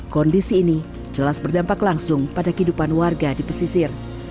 kondisi ini jelas berdampak langsung pada kehidupan warga di pesisir